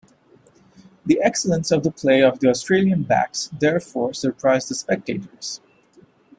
The excellence of the play of the Australian backs therefore surprised the spectators.